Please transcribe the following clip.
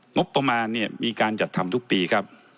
งบประมาณเนี่ยมีการจัดทำทุกปีครับ